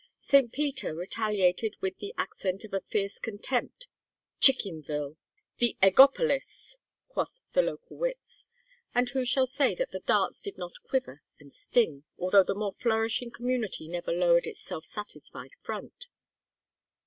St. Peter retaliated with the accent of a fierce contempt. "Chickenville!" "The Eggopolis!" quoth the local wits, and who shall say that the darts did not quiver and sting, although the more flourishing community never lowered its self satisfied front?